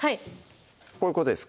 こういうことですか？